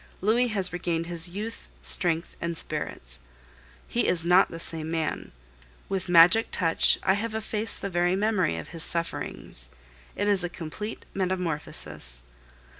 Louis has regained his youth, strength, and spirits. He is not the same man. With magic touch I have effaced the very memory of his sufferings. It is a complete metamorphosis.